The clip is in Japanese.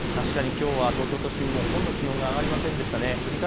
確かにきょうは東京都心ほとんど気温が上がりませんでした。